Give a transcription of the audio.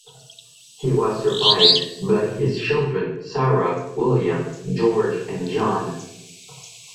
He was survived by his children Sarah, William, George, and John.